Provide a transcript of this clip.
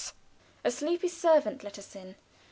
A sleepy servant let us in.